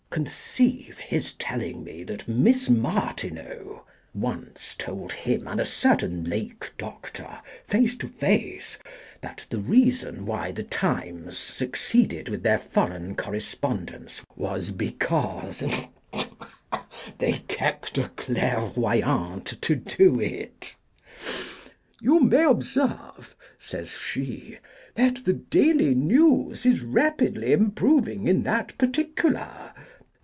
Conceive his telling me that Miss Martineau once told him and a certain Lake Doctor, face to face, that the reason why TJie Times succeeded with their Foreign corre spondence was because — they kept a clairvoyante to do 250 CHARLES DICKENS AS EDITOR. [1858 it!!! "You may observe," says she, "that the Daily News is rapidly improving in that particular.